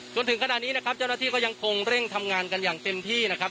จนถึงขณะนี้นะครับเจ้าหน้าที่ก็ยังคงเร่งทำงานกันอย่างเต็มที่นะครับ